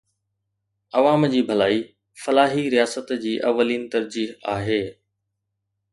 عوام جي ڀلائي فلاحي رياست جي اولين ترجيح آهي.